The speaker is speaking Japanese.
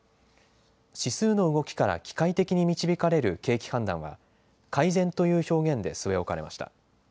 指数の動きから機械的に導かれる景気判断は改善という表現で据え置かれました。